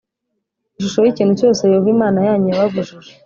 ishusho y’ikintu cyose Yehova Imana yanyu yababujije.